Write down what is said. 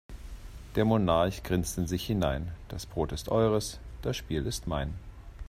Der Monarch grinst in sich hinein: Das Brot ist eures, das Spiel ist mein.